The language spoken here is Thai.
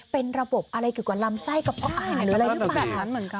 เป็นระบบอะไรเกี่ยวกับลำไส้กับอาหารหรืออะไรหรือเปล่า